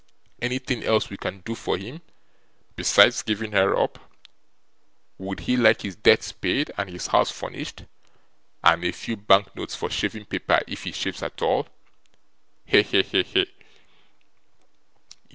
Anything else we can do for him, besides giving her up? Would he like his debts paid and his house furnished, and a few bank notes for shaving paper if he shaves at all? He! he! he!